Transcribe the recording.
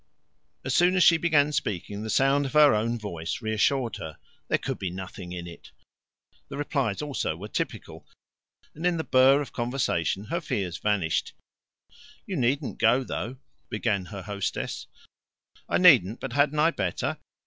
As soon as she began speaking, the sound of her own voice reassured her. There could be nothing in it. The replies also were typical, and in the buff of conversation her fears vanished. "You needn't go though " began her hostess. "I needn't, but hadn't I better?